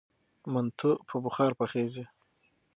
منتو په بخار پخیږي.